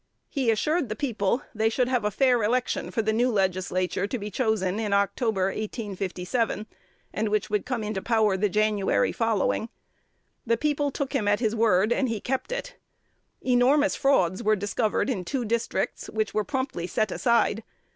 He assured the people they should have a fair election for the new Legislature to be chosen in October (1857), and which would come into power in January following. The people took him at his word; and he kept it. Enormous frauds were discovered in two districts, which were promptly set aside.